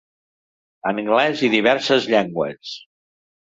Anglès i diverses llengües.